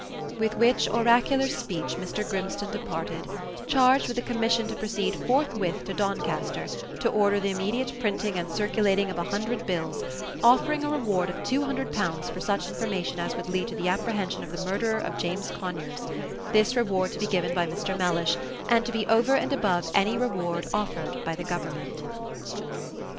With which oracular speech Mr. Grimstone departed, charged with a commission to proceed forthwith to Doncaster, to order the immediate printing and circulating of a hundred bills, offering a reward of £200 for such information as would lead to the apprehension of the murderer of James Conyers this reward to be given by Mr. Mellish, and to be over and above any reward offered by the government.